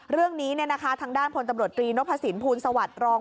เรื่องนี้เนี่ยนะคะทางด้านพลตำรวจตรีนพระสินภูมิสวัสดิ์รองค์